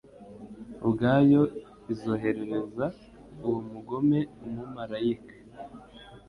ubwayo izoherereza uwo mugome umumalayika